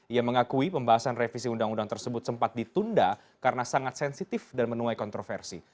ia mengakui pembahasan revisi undang undang tersebut sempat ditunda karena sangat sensitif dan menuai kontroversi